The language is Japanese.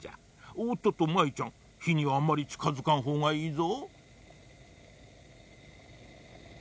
おっとっと舞ちゃんひにあんまりちかづかんほうがいいぞ。